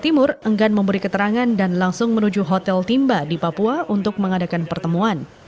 timur enggan memberi keterangan dan langsung menuju hotel timba di papua untuk mengadakan pertemuan